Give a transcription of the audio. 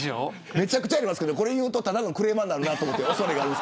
めちゃくちゃありますけどこれを言うとただのクレーマーになるなと。